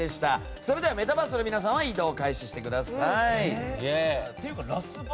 それではメタバースの皆さんは移動を開始してください。